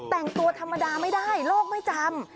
แต่งตัวธรรมดาไม่ได้โลกไม่จำ